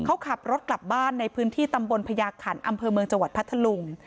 เขาขับรถกลับบ้านในพื้นที่ตำบลพญาขันอำเภอเมืองจังหวัดพัทธลุง